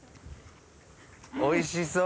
おいしそう。